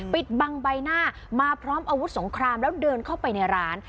ปิดบังใบหน้ามาพร้อมอาวุธสงครามแล้วเดินเข้าไปในร้าน